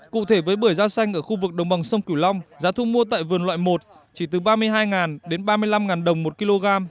cụ thể với bưởi da xanh ở khu vực đồng bằng sông cửu long giá thu mua tại vườn loại một chỉ từ ba mươi hai đến ba mươi năm đồng một kg